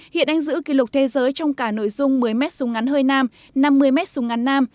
hiện anh giữ kỷ lục thế giới trong cả nội dung một mươi m xung ngăn hơi nam năm mươi m xung ngăn nam